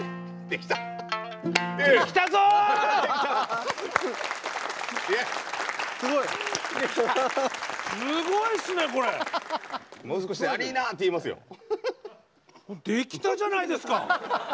できたじゃないですか。